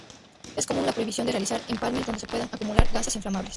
Es común la prohibición de realizar empalmes donde se puedan acumular gases inflamables.